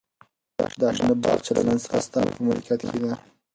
دا شنه باغچه له نن څخه ستا په ملکیت کې ده.